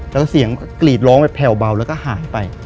แล้วเสียงกรีดร้องแผลวแล้วก็หายไป